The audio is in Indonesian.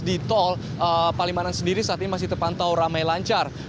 di tol palimanan sendiri saat ini masih terpantau ramai lancar